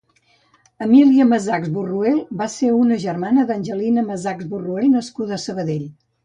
Emília Masachs Borruel va ser una germana d'Angelina Masachs Borruel nascuda a Sabadell.